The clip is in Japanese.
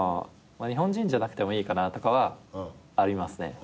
日本人じゃなくてもいいかなとかありますね。